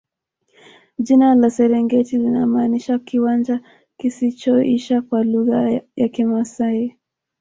jina la serengeti linamaanisha kiwanja kisichoisha kwa lugha ya kimaasai